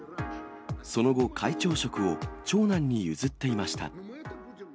その後、会長職を長男に譲っていました。